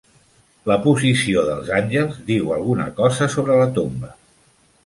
La posició dels àngels diu alguna cosa sobre la tomba.